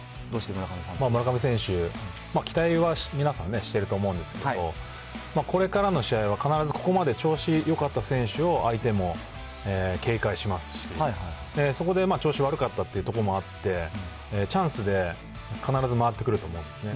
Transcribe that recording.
村上選手、期待は皆さんね、してると思うんですけど、これからの試合は必ずここまで調子よかった選手を相手も警戒しますし、そこで調子悪かったというところもあって、チャンスで、必ず回ってくると思うんですね。